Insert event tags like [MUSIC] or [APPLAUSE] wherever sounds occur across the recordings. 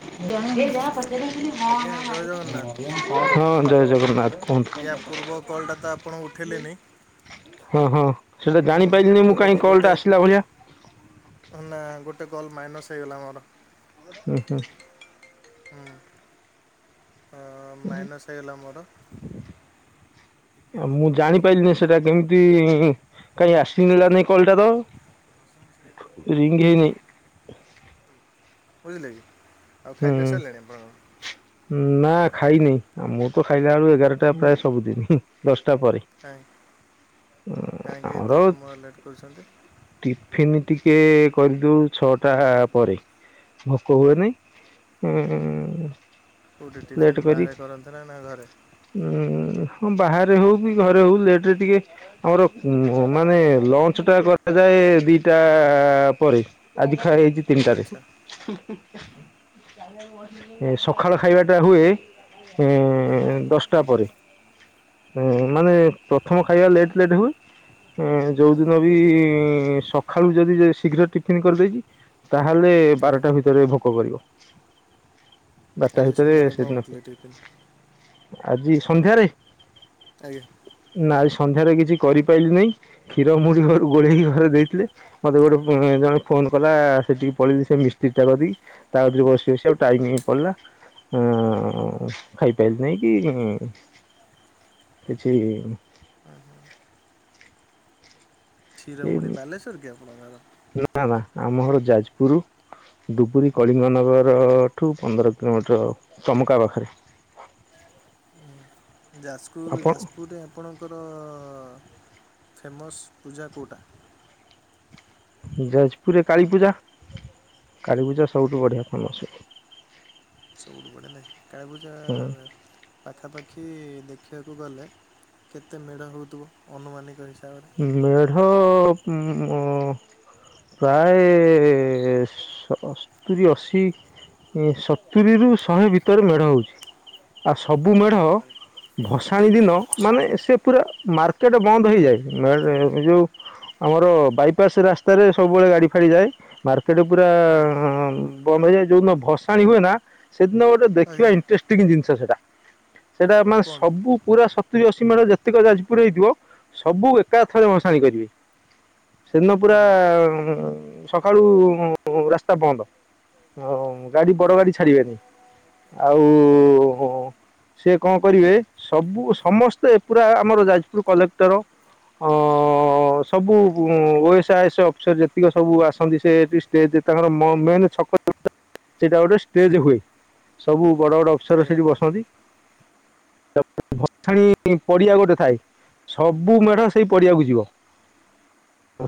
[UNINTELLIGIBLE] ଆଜ୍ଞା ହଁ ଜୟ ଜଗନ୍ନାଥ ଜୟ ଜଗନ୍ନାଥ। କୁହନ୍ତୁ ୟା ପୂର୍ବ କଲ୍ ଟା ତ ଆପଣ ଉଠେଇଲେନି। ହଁ- ହଁ ସେଇଟା ଜାଣିପାରିଲିନି ମୁଁ କାହିଁ ଯେଉଁଟାକି କଲ୍ ଗୋଟେ ଟା ଆସିଲା ଭଳିଆ। ନା ଗୋଟେ କଲ୍ ମାଇନସ୍ ହେଇଗଲା ମୋର। ହୁଁ- ହୁଁ। ହୁଁ। ହଁ ଅଁ ମାଇନସ୍ ହେଇଗଲା ମୋର। ଆଉ ମୁଁ ଜାଣିପାରିଲିନି ସେଟା କେମିତି-ଇ-ଇ-ଇ କାହିଁ ଆସିନେଲାନି କଲ୍ ଟା ତ। ରିଙ୍ଗ୍ ହେଇନି। ବୁଝିଲେ କି ଆଉ ହୁଁ ଖାଇ ପିଆ ସାରିଲାଣି ଆପଣଙ୍କ? ନା ଖାଇନି ମୁ ତ ଖାଇଲା ବେଳୁ ଏଗାରଟା ପ୍ରାୟ ସବୁଦିନ ଦଶଟା ପରେ। କାହିଁ କାହିଁକି ଏତେ ସମୟ ଲେଟ୍ କରୁଛନ୍ତି? ଟିଫନ୍ ଟିକେ କରିଦଉ ଛଅଟା ପରେ ଭୋକ ହୁଏନି। ହୁଁ -ଉଁ- ଉ। କୋଉଠି ଟିଫିନ ବାହାରେ କରନ୍ତି ନା ନା ଘରେ? ଉଁ ହଁ ବାହାରେ ହଉ କି ଘରେ ହଉ ଲେଟ୍ ରେ ଟିକେ। ଆମର ମ-ମାନେ ଲଞ୍ଚ୍ ଟା କରାଯାଏ ଦିଟା ଆଁ- ଆଁ -ଆ ପରେ। ଆଜି ଖାଇଚି ତିନ୍ ଟାରେ ଆଚ୍ଛା ସକାଳ ଖାଇବା ଟା ହୁଏ। ଉଁ ଆଜ୍ଞା -ଉ ଦଶ୍ ଟା ପରେ। ହଁ ମାନେ ପ୍ରଥମ ଖାଇବା ଲେଟ୍ ଲେଟ୍ ହୁଏ। ହଁ ହଁ ଯୋଉଦିନ ବି -ଇ-ଇ-ଇ-ଇ ସକାଳୁ ଯଦି ଶୀଘ୍ର ଟିଫିନ୍ କର୍ ଦେଇଛି। ତାହେଲେ ଆଜ୍ଞା ବାରଟା ଭିତରେ ଭୋକ କରିବ। ବାରଟା ଆଜି ଭିତରେ ସନ୍ଧ୍ୟାବେଳେ କ'ଣ ସେଦିନ କରୁଥିଲେ ଟିଫିନ୍ ଆଜି ସନ୍ଧ୍ୟାରେ। ଆଜ୍ଞା। ନାଆ ସନ୍ଧ୍ୟାରେ କିଛି କରିପାରିଲିନି କ୍ଷୀର ମୁଢ଼ି ଘରୁ ଗୋଳେଇକି ଘରେ ଦେଇଥିଲେ। ମତେ ଗୋଟେ ଜଣେ ଫୋନ୍ କଲା ସେଠିକି ପଳେଇି ସେ ମିସ୍ତ୍ରୀ ଟା କତିକି। ତାରେ କତିରେ ବସି ବସି ଆଉ ଟାଇମ୍ ପଲ୍ ଲା। ହଁ ଖାଇପାରିଲି ନାହିଁ କି କିଛି ଏ କ୍ଷୀରମୁଡ଼ି ବାଲେଶ୍ୱର୍ କି ଆପଣଙ୍କ ର? ନା ନା ଆମ ଘର ଯାଜପୁରୁ। ଦୁବୁରୀ କଳିଙ୍ଗନଗର-ର ଠୁ ପନ୍ଦର କିଲୋମିଟର ଟମକା ପାଖରେ। [UNINTELLIGIBLE] ଯାଜକୁର୍ ଆପଣ ଯାଜପୁରରେ ଆପଣଙ୍କର ଫେମସ୍ ପୂଜା କେଉଁଟା। ଯାଜପୁରରେ କାଳୀପୂଜା କାଳୀପୂଜା ସବୁଠୁ ବଢ଼ିଆ ଫେମସ୍। ସବୁଠୁ ବଢିଆ ଲାଗେ କାଳି ପୂଜା ପାଖାପାଖି ଦେଖିବାକୁ ଗଲେ କେତେ ମେ଼ଢ ହୋଉଥିବ ଅନୁମାନିକ ହିସାବରେ। ମେଢ ଉଁ -ମ ପ୍ରାୟ ଏ-ଏ-ଏ- ସତୁରିୀ ଅଶୀ। ଏ ସତୁରୀରୁ ଶହେ ଭିତରେ ମେଢ଼ ହଉଛି। ଆଉ ସବୁ ମେଢ ବାବାରେ ଏତେ ଭସାଣି ଗୁଡ଼ାଏ? ଦିନ ମାନେ ଆଜ୍ଞା ସେ ପୁରା ମାର୍କେଟ ବନ୍ଦ ହେଇଯାଏ। ମେ ଏ ଯଉ ଆମର ବାଇପାସ୍ ରାସ୍ତାରେ ସବୁବେଳେ ଗାଡ଼ି ଫାଡ଼ିଯାଏ ମାର୍କ ସେଠି ପୁରା-ଆଁ ବନ୍ଦ ହେଇଯାଏ, ଯଉଁଦିନ ଭସାଣି ହୁଏ ନା, ସେଦିନ ଗୋଟେ ଦେଖିବା ଆଜ୍ଞା ଇଣ୍ଟରେଷ୍ଟ ସେତିକି ଜିନିଷ ସେଟା। ସେଇଟା ମାନେ କୁହନ୍ତୁ ସବୁ ପୁରା ସତୁରୀ ଅଶୀ ମେଢ ଯେତେକ ଯାଜପୁରରେ ହେଇଥିବ। ସବୁ ଏକାଥରେ ଭସାଣି କରିବେ। ସେଦିନ ହଁ ପୁରା ହଁ ସକାଳୁ-ଉଁ ରାସ୍ତା ବନ୍ଦ। ଗାଡ଼ି ବଡ଼ ଆଜ୍ଞା ଗାଡ଼ି ଛାଡ଼ିବେନି। ଆଉ-ଉଁ ସିଏ କଣ କରିବେ? ସବୁ ସମସ୍ତେ ପୁରା ଆମର ଯାଜପୁର କଲେକ୍ଟର ହଁ-ଅଁ। ହଁ ସବୁ-ଉଁ ଓଏସ୍ ଆଇଏସ୍ ଅଫିସର ଯେତିକି ସବୁ ଆସନ୍ତି, ସେଏଠି ଷ୍ଟେଜ୍ ତାଙ୍କର ମ-ମେନ୍ ଛକ। ସେଇଟା ଗୋଟେ ଷ୍ଟେଜ୍ ହୁଏ। ସବୁ ବଡ଼ ବଡ଼ ଅଫସର ଆଜ୍ଞା ସେଠି ବସନ୍ତି। ଭାଥାଣୀ ପଡ଼ିଆ ଗୋଟେ ଥାଏ। ସବ୍ ବୁ ମେଢ ସେଇ ପଡ଼ିଆକୁ ଯିବ।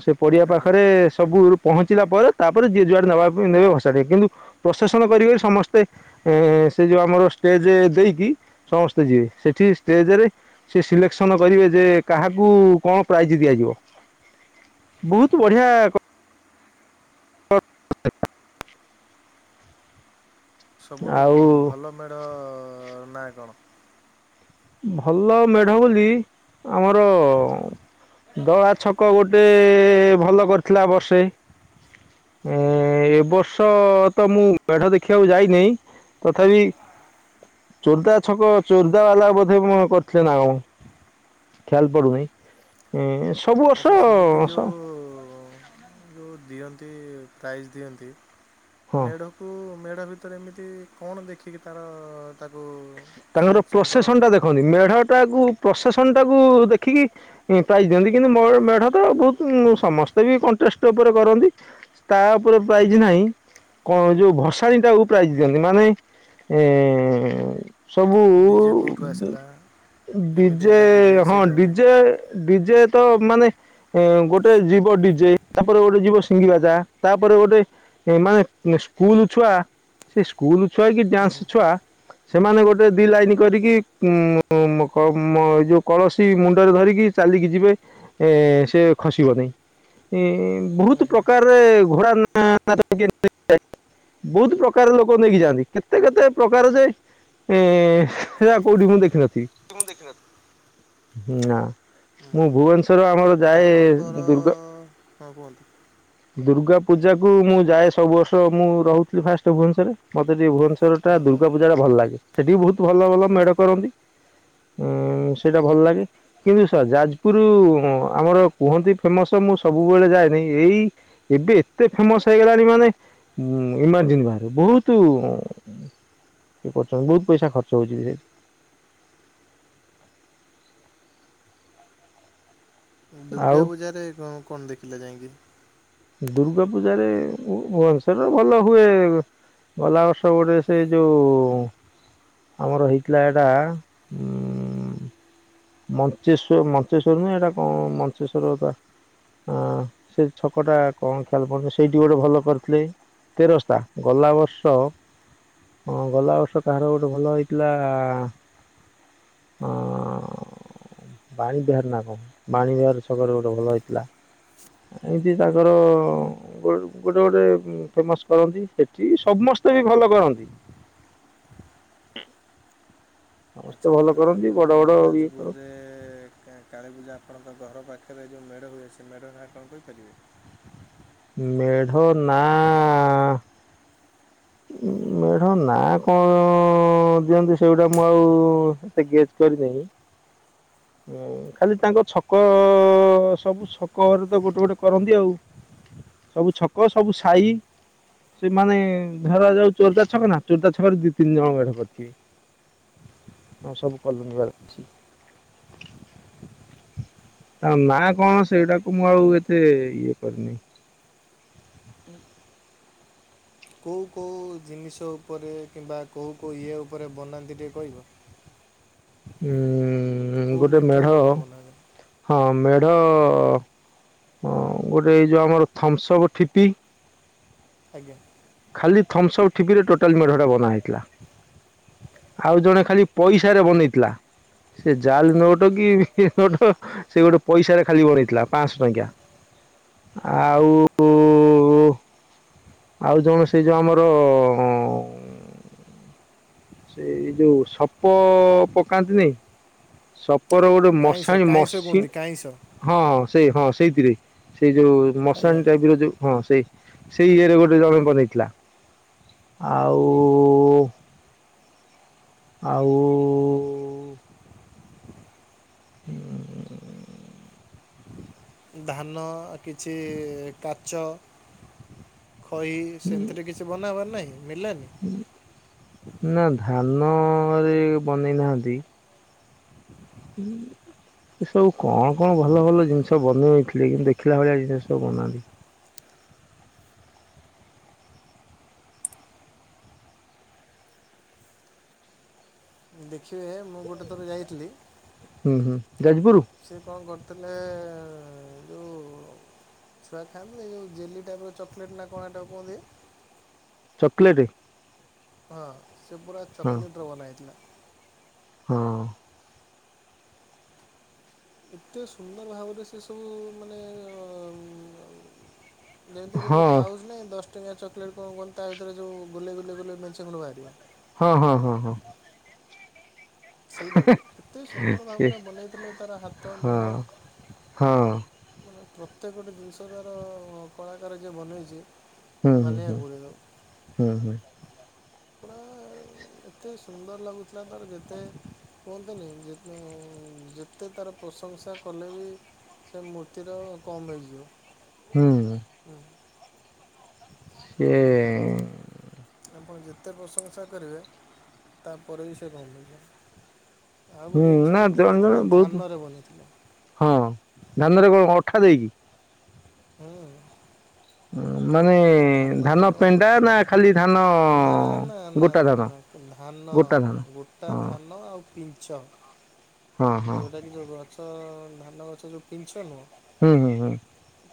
ସେ ପଡ଼ିଆ ଆଜ୍ଞା। ପାଖରେ ସବୁ ରୁ ପହଞ୍ଚିଲା ପରେ, ତାପରେ ଯିଏ ଯୁଆଡ଼େ ନେବା ପାଇଁ ନେବେ ଭସାଡି କିନ୍ତୁ, ପ୍ରସେସନ କରିବେ ସମସ୍ତେ। ଏଁ ସେ ଯୋଉ ଆମର ଷ୍ଟେଜ୍ ଦେଇକି ସମସ୍ତେ ଯିବେ। ସେଠି ଷ୍ଟେଜ୍ ରେ ସେ ସିଲେକ୍ସନ୍ କରିବେ ଯେ କାହାକୁ କଣ ପ୍ରାଇଜ ଦିଆଯିବ? ବହୁତ ବଢିଆ କ [INAUDIBLE] ସବୁଠୁ ଆଉ ଭଲ ମେ଼ଢ-ଅ ନାଁ କଣ? ଭଲ ମେଢ ବୋଲି ଆମର-ଅଁ ଦଳା ଛକ ଗୋଟେ-ଏ ଭଲ କରିଥିଲା ବର୍ଷେ। ଏଁ -ଏବର୍ଷ ତ ମୁଁ ମେଢ ଦେଖିବାକୁ ଯାଇନେଇଁ। ତଥାପି, ଚୋରଦା ଛକ ଚୋରଦା ବାଲା ବ ହେମ କରିଥିଲେ ନା କଣ? ଖ୍ୟାଲ୍ ପଡୁନେଇଁ। ଏଁ ସବୁ ଆଚ୍ଛା ବର୍ଷ ସ ଯଉ ଦିଅନ୍ତି, ପ୍ରାଇଜ୍ ଦିଅନ୍ତି ହଁ ମେଢ଼ କୁ ମେଢ଼ ଭିତରେ ଏମିତି କଣ ଦେଖିକି ତାର-ଅ ତାକୁ-ଉ ସିଲେକ୍ସନ୍ କରନ୍ତି। ଖନ୍ତି, ମେଢ଼ଟାକୁ ପ୍ରଶାସନଟାକୁ ଦେଖିକି ପାଇଜ୍ ଦିଅନ୍ତି କିନ୍ତୁ ମ-ମେଢ ଟା ବହୁତ ସମସ୍ତେ ବି କଣ୍ଟେଷ୍ଟ ଉପରେ କରନ୍ତି। ତା' ଉପରେ ପ୍ରାଇଜ୍ ନାହିଁ। କଣ ଯୋଉ ଭସାଣି ଟାକୁ ପ୍ରାଇଜ ଦିଅନ୍ତି? ମାନେ ଏ-ଏଁ ସବୁ-ଉଁ ଡିଜେ କେଉଁଠୁ ଆସିଲା କେମିତିକା ଡିଜେ ତା ହଁ, ସେଇଟାକୁ ନେଇ ଡିଜେ ଡିଜେ ତ ମାନେ ଏଁ ଗୋଟେ ଯିବ ଡିଜେ, ତା'ପରେ ଗୋଟେ ଯିବ ସିଙ୍ଗିିବାଜା, ତାପରେ ଗୋଟେ ଏ ମାନେ ସ୍କୁଲ ଛୁଆ, ସେ ସ୍କୁଲ୍ ଛୁଆ କି ହୁଁ ହୁଁ ଡ୍ୟାନ୍ସ ଛୁଆ ସେମାନେ ଗୋଟେ ଦି ଲାଇନି କରିକି ଉଁ -ମ-କ-ମ ଏଇ କଳସୀ ମୁଣ୍ଡରେ ଧରିକି ଚାଲିକି ଯିବେ, ଏଁ ସେ ଖସିବନି ଇଁ ହୁଁ ବହୁତ ହୁଁ। ପ୍ରକାରରେ ଘୋଡ଼ା ନା [INAUDIBLE] ବହୁତ ପ୍ରକାର ଲୋକ ନେଇକି ଯାଆନ୍ତି। କେତେ କେତେ ପ୍ରକାର ଯେ ଏଁ ହେଁ କୋଉଠି ମୁଁ ଦେଖିନଥିବି? କି ମୁଁ ଦେଖିନଥ୍ ନା ମୁଁ ଭୁବନେଶ୍ଵର ଆମର ଯାଏ ଆପଣଙ୍କର ଦୁର୍ଗା ହବ ଦୁର୍ଗା ପୂଜା କୁ ମୁଁ ଯାଏ ସବୁ ବର୍ଷ ମୁଁ ରହୁଥିଲି ଫାଷ୍ଟ ଭୁବନେଶ୍ୱରେ ମତେ ଟିକେ ଭୁବନେଶ୍ୱର ଈଵର ଟା ହୁଁ ହୁଁ। ଦୁର୍ଗା ପୂଜା ଟା ଭଲ ଲାଗେ ସେଠି ବହୁତ ଭଲ ଭଲ ମେଢ କରନ୍ତି। ଉଁ ସେଇଟା ଭଲ ଲାଗେ। କିନ୍ତୁ ସ ଯାଜପୁର ଆମର କୁହନ୍ତି ଫେମସ ମୁଁ ସବୁବେଳେ ଯାଏନି ଏଇ ଏବେ ଏତେ ଫେମସ ହେଇଗଲାଣି ମାନେ ଇମାଜିନ୍ ବାହାରେ ବହୁତ କିଏ କରୁଛନ୍ତି ବହୁତ ପଇସା ଖଚ୍ଚ ହେଉଛି ଯେ। ଦୁର୍ଗା ଆଉ ପୂଜାରେ କଣ ଦେଖିଲେ ଯାଇକି? ଦୁର୍ଗା ପୂଜାରେ ଭୁବନେଶ୍ୱର ରେ ଭଲ ହୁଏ। ଗଲା ବର୍ଷ ଗୋଟେ ସେ ଯୋଉ ଆମର ହେଇଥିଲା ଏଇଟା ଉ ମଞ୍ଚେଶ୍ୱର ମଞ୍ଚେଶ୍ଵର ନୁଁ ଏଇଟା କଣ ମଞ୍ଚେଶ୍ଵରଟା। ଆ ସେ ଛ ପୋକଟା କଣ ଖଆଲ ପ ସେଇଠି ଗୋଟେ ଭଲ କରିଥିଲେ ତେରସତା ଗଲା ବର୍ଷ ହଁ ଗଲା ବର୍ଷ କାହାର ଗୋଟେ ଭଲ ହେଇଥିଲା। ହଁ ବାଣୀ ବିହାର ନା କଣ ବାଣୀ ବିହାର ଛୋକରେ ଗୋଟେ ଭଲ ହେଇଥିଲା ଏ ଯଦି ତାଙ୍କର ଗୋଟେ ଗୋଟେ ଫେମସ କରନ୍ତି ସେଠି ସମସ୍ତେ ବି ଭଲ କରନ୍ତି। [INAUDIBLE] ସମସ୍ତେ ଭଲ କରନ୍ତି। ବଡ଼ ବଡ଼ ଇଏ କରନ୍ତି ଯାଜୀପୁରରେ କାଳୀପୁଜା ଆପଣଙ୍କ ଘର ପାଖରେ ଯେଉଁ ମେଢ ହୁଏ ସେ ମଢ଼ ନାଁ କଣ କହିପାରିବେ। ମେଢ ନା [INAUDIBLE] ମେଢ ନା କଣ ଦିଅନ୍ତି ସେଗୁଡା ମୁଁ ଆଉ ଏତେ ଗେସ୍ କରିନାହି। [INAUDIBLE] [INAUDIBLE] ଖାଲି ତାଙ୍କ ଛକ ସବୁ ଛକରେ ତ ଗୋଟେ ଗୋଟେ କରନ୍ତି ଆଉ ସବୁ ଛକ ସବୁ ସାଇ ସେମାନେ ଧର ଯାଉ ଚୋରତା ଛକ ନା ଚୋରତା ଛକରେ ଦି ତିନି ଜଣ ମେଢ଼ କରି ଥିବେ। ହଁ ସବୁ କଲାନିବାଲା। ତା ନା କଣ ସେଇଟାକୁ ମୁଁ ଆଉ ଏତେ ଇଏ କରିନି। [INAUDIBLE] କୋଉ କୋଉ କୋଉ ଜିନିଷ ଉପରେ କିମ୍ବା କୋଉ କୋଉ ଇଏ ଉପରେ ବନାନ୍ତି ଟିକଏ କହିବ। ଉ କୋଉ ଗୋଟେ ମେଢ। ମେଟେରିଆଲ୍ ଉପରେ ବନାଯାଏ ହଁ ମେଢ ଗୋଟେ ଏଇ ଯଉ ଆମର ଥମ୍ସଅପ୍ ଠିପି ଆଜ୍ଞା। ଖାଲି ଥମସପ। ଠିପି ରେ ଟୋଟାଲେ ମେଢଟା ବନା ହେଇଥିଲା। ଆଉ ଜଣେ ଖାଲି ପଇସାରେ ବନେଇଥିଲା। ସେ ଜାଲ ନୋଟ୍ କି ନଟ ସେ ଗୋଟେ ପଇସାରେ ଖାଲି ବଣେଇଥିଲା ପାଞ୍ଚଶହ ଟଙ୍କିଆ ଆଉ ଆଉ ଜଣେ ସେଇ ଯୋଉ ଆମର ସେଇ ଯୋଉ ସପ ପକାନ୍ତିନେଇଁ ସପ୍ ଉପରେ ଗୋଟେ କାଇଁସ ମଶାଣି କାଇଁସ ମସି କୁହନ୍ତି କାଇଁସ ହଁଁ ସେଇ ହଁ ସେଇଥିରେ ସେଇ ଯୋଉ ଆଜ୍ଞା। ମଶାଣି ଟାଇପ୍ର ଯୋଉ ହଁ ସେଇ ସେଇ ଇଏରେ ଗୋଟେ ଜଣେ ବନେଇଥିଲା ଆଉ ଆଉ [INAUDIBLE] ଧାନ କିଛି କାଚ ଖଇ ସେମ୍ତିରେ କି ଛି ବନା ହବାର ନାଇଁ ମିଳିଲାନି। ନା ଧାନରେ ବନେଇନାହାଁନ୍ତି। [INAUDIBLE] ସେ ସବୁ କଣ କଣ ଭଲ ଭଲ ଜିନ୍ଷ ବନେଇଥିଲେ କିନ୍ତୁ ଦେଖିଲା ଭଳିଆ ଜିନ୍ଷ ସବୁ ବନାନ୍ତି। ଦେଖିବେ ମୁଁ ଗୋଟେ ଥର ଯାଇଥିଲି। ହୁଁ ହୁଁ ଯାଜପୁରୁ। ସିଏ କଁ କରିଥିଲେ ଯୋଉ ଛୁଆ ଖାଆନ୍ତି ନେଇଁ ହେଇ ଯୋଉ ଜେଲି ଟାଇପ୍ର ଚକଲେଟ୍ ନା କଣ ହେଟାକୁ କୁଅନ୍ତି? ଚକଲେଟେ? ହଁ ସେ ପୁରା ହଁ ଚକଲେଟ୍ ରେ ବନା ହେଇଥିଲା। ହଁ। ଏତେ ସୁନ୍ଦର ଭାବରେ ସେ ସବୁ ମାନେ ଅଁ ମ୍ ଯେମିତି ଗୋଟେ ପାଉଜ୍ ନାହିଁ ଦଶ୍ ଟଙ୍କିଆ ଚକଲେଟ୍ କଁ କୂଅନ୍ତି ତା ଭିତରେ ଯୋଉ ଗୋଲେଇ ଗୋଲେଇ ଗୋଲେଇ ମେଞ୍ଚେ ଖଣ୍ଡ ବାହାରିବ। ହଁ ହଁ ହଁ ହଁ। ସେଇଟାକୁ ଏତେ ସୁନ୍ଦର ସେ ଭାବରେ ବନେଇଥିଲେ ତାର ହାତ ହଁ ମୁହଁ ହଁ ମାନେ ପ୍ରତ୍ୟେକ ଗୋଟେ ଜିନ୍ଷ ତାର କଳାକାର ଯିଏ ବନେଇଛି ହୁଁ ହୁଁ ହୁଁ ମାନିବାକୁ ପଡ଼ିବ ହୁଁ ହୁଁ। ପୁରା ଏତେ ସୁନ୍ଦର ଲାଗୁଥିଲା ତାର ଯେତେ କୁହନ୍ତିନେଇଁ ଯେ ଉଁ-ଉଁ-ଯେତେ ତାର ପ୍ରଶଂସା କଲେ ବି ସେ ମୂର୍ତ୍ତିର କମ୍ ହେଇଯିବ। ହୁଁଉଁ। ହୁଁ, ସିଏ ଆପଣ ଯେତେ ପ୍ରଶଂସା କରିବେ ତାପରେ ବି ସେ କମ୍ ହେଇଯିବ। ଆଉ ହୁଁ ଗୋଟେ ଜିନ୍ଷ ନା ମୁଁ ଜଣେ ଜଣେ ଦେଖେଇଥିଲି ବହୁତ ଧାନରେ ବନିଇଥିଲେ। ହଁ ଧାନରେ କଣ ଅଠା ଦେଇକି? ହୁଁ। ମାନେ ଗୋଟେ ଗୋଟେ ଧାନ ପେଣ୍ଡା ନା ଖାଲି ଧାନ ନା ନା ନା ଗୋଟା ନା ଧାନ ନା ନା ଧାନ ଗୋଟା ଧାନ ଗୋଟା ହଁ ଧାନ ଆଉ ପିଞ୍ଚ। ହଁ ହଁ। ଯୋଉ ଗଛ ଧାନ ଗଛ ଯୋଉ ପିନ୍ଛ ନୁହଁ? ହୁଁ ହୁଁ ହୁଁ।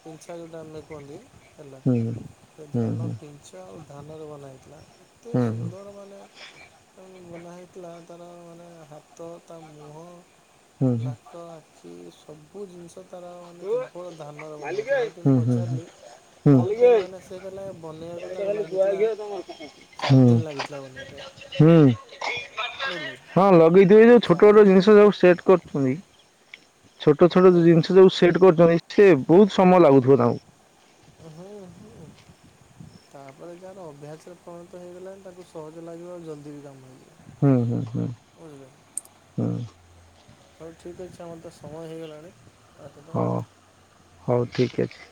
ପିନ୍ଛା ଯୋଉଟା ଆମେ କୁହନ୍ତି ହେଲା ସେଇ ହୁଁ ହୁଁ ଧାନ ହୁଁ ପିନ୍ଛ୍ କୁଟା ଆଉ ଧାନ ରେ ବନା ହେଇଥିଲା ଏତେ ହୁଁ ହୁଁ ସୁନ୍ଦର ମାନେ ତାଙ୍କୁ ବନା ହେଇଥିଲା ତାର ମାନେ ହାତ ତା ମୁହଁ। ହୁଁ ହୁଁ ନାକ ଆଖି ସବୁ ଜିନ୍ଷ ତାର ମାନେ କେବଳ ଧାନରେ ବନାହେଇଥିଲା ସେଠି ମୁଁ ହୁଁ ହୁଁ ପଚାରିଲି ହୁଁ କଣ କେମିତି କଲେ ସେ କଇଲା ବନେଇଆକୁ ତାକୁ ଲାଗିଥିଲା ଚାର୍ ହୁଁ ଦିନ୍ ଲାଗିଥିଲା ବନେଇଆ ପାଇଁ। ହୁଁ ବୁଝିଲେ ହଁ ଲଗେଇଥିବେ ଏ ଯୋଉ ଛୋଟ ଚାରି ଛୋଟ ଦିନ ଜିନିଷ କେ ସବୁ ସେଟ୍ କରୁ [UNINTELLIGIBLE] ଛୋଟ ଛୋଟ ଆଜ୍ଞା ଜିନିଷ ଯୋଉ ସେଟ୍ କରୁଛନ୍ତି। ସେ ବହୁତ ସମୟ ଲାଗୁଥିବ ତାଙ୍କୁ। [UNINTELLIGIBLE] ତାପରେ ଯାହାର ଅଭ୍ୟାସରେ ପ୍ରରିଣତ ହେଇଗଲାଣି। ତାକୁ ସହଜ ଲାଗିବ ଆଉ ଜଲଦି ବି କାମ ହେଇଯିବ। ହୁଁ ହୁଁ ହୁଁ ବୁଝିଲେ ହୁଁ। ହଉ ଠିକ୍ ଅଛି ଆମର ତ ସମୟ ହେଇଗଲାଣି। ତେଣୁ ହଉ ହଉ ଠିକ୍ ଅଛି।